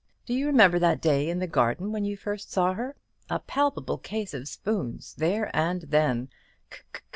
Do you remember that day in the garden when you first saw her? A palpable case of spoons there and then!